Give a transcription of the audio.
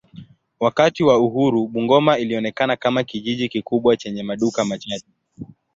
Wakati wa uhuru Bungoma ilionekana kama kijiji kikubwa chenye maduka machache.